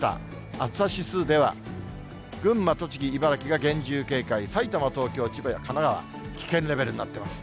暑さ指数では、群馬、栃木、茨城が厳重警戒、埼玉、東京、千葉、神奈川、危険レベルになっています。